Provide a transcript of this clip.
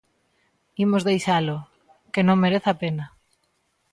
Imos deixalo, que non merece a pena.